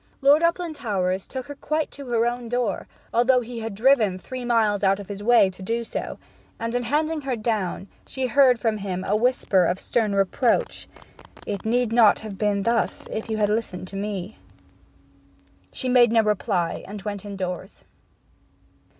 Lord Uplandtowers took her quite to her own door, although he had driven three miles out of his way to do so; and in handing her down she heard from him a whisper of stern reproach: 'It need not have been thus if you had listened to me!' She made no reply, and went indoors.